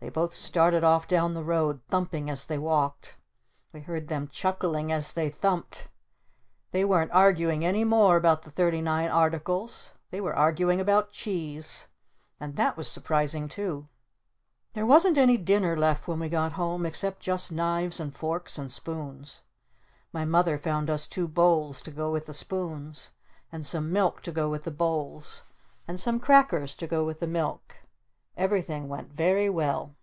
They both started off down the road thumping as they walked. We heard them chuckling as they thumped. They weren't arguing any more about the "Thirty Nine Articles." They were arguing about Cheese. And that was surprising too! There wasn't any dinner left when we got home except just knives and forks and spoons. My Mother found us two bowls to go with the spoons. And some milk to go with the bowls. And some crackers to go with the milk. Everything went very well.